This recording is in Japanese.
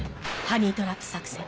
ハニートラップ作戦